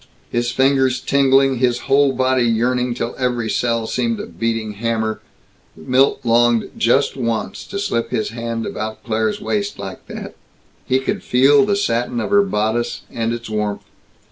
His fingers tingling, his whole body yearning till every cell seemed a beating hammer, Milt longed just once to slip his hand about Claire's waist like that. He could feel the satin of her bodice and its warmth.